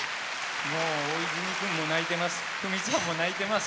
もう大泉くんも泣いてます。